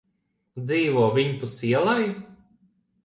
Dzīvo viņpus ielai.